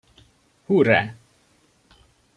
Hurrá!